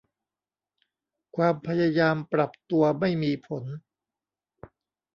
ความพยายามปรับตัวไม่มีผล